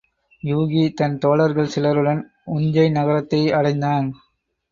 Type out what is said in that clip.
யூகி தன் தோழர்கள் சிலருடன் உஞ்சை நகரத்தை அடைந்தான்.